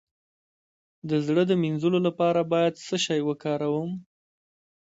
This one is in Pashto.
د زړه د مینځلو لپاره باید څه شی وکاروم؟